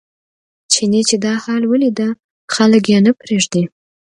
چیني چې دا حال ولیده خلک یې نه پرېږدي.